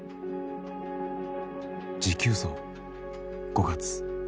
「持久走」「５月」。